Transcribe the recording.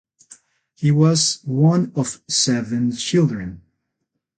He was one of seven children.